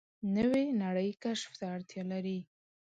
نوې نړۍ کشف ته اړتیا لري